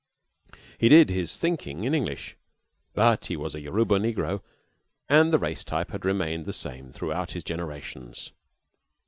He did his thinking in English, but he was a Yoruba negro, and the race type had remained the same throughout his generations.